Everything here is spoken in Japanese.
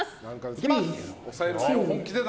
いきます！